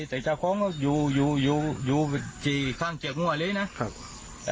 แต่เจ้าของก็อยู่อยู่อยู่อยู่ที่ข้างเจียงง่วงอันนี้นะครับ